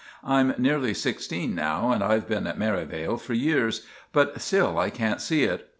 I'm nearly sixteen now, and I've been at Merivale for years, but still I can't see it.